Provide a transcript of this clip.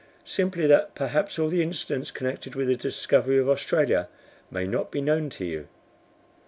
"Simply that perhaps all the incidents connected with the discovery of Australia may not be known to you."